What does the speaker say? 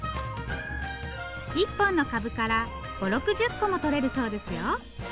１本の株から５０６０個もとれるそうですよ。